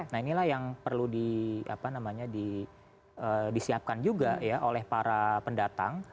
nah inilah yang perlu di apa namanya disiapkan juga ya oleh para pendatang